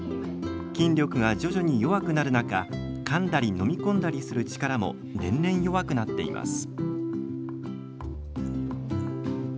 筋力が徐々に弱くなる中かんだり飲み込んだりする力も年々、弱くなっています。